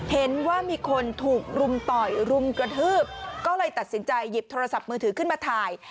เห็นว่ามีคนถูกรุมต่อยรุมกระทืบก็เลยตัดสินใจหยิบโทรศัพท์มือถือขึ้นมาถ่าย